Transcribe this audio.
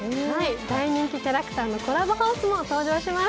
大人気キャラクターのコラボハウスも登場します。